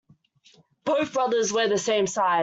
Both brothers wear the same size.